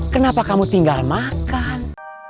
kenapa kamu tinggal makan